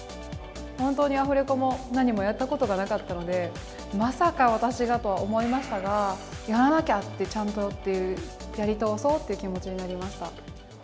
本当にアフレコも、何もやったことがなかったので、まさか私がとは思いましたが、やらなきゃって、ちゃんとって、やり通そうって気持ちになりました。